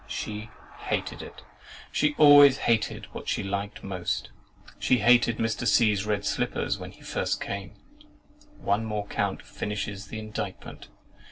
"She hated it!" She always hated whatever she liked most. She "hated Mr. C——'s red slippers," when he first came! One more count finishes the indictment.